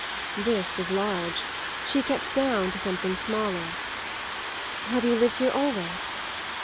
This was large; she kept down to something smaller. "Have you lived here always?"